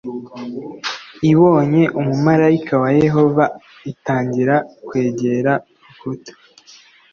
Ibonye umumarayika wa yehova itangira kwegera urukuta